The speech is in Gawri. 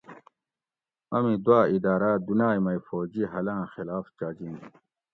امی دوا اِداۤراۤ دُنائ مئ فوجی حل آۤں خلاف چاجِنت